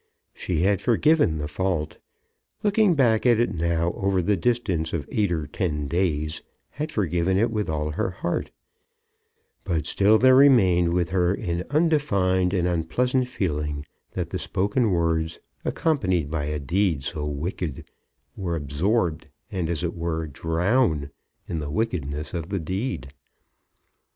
She had forgiven the fault; looking back at it now over the distance of eight or ten days, had forgiven it with all her heart; but still there remained with her an undefined and unpleasant feeling that the spoken words, accompanied by a deed so wicked, were absorbed, and, as it were, drowned in the wickedness of the deed.